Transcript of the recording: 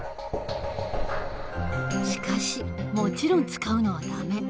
しかしもちろん使うのはダメ。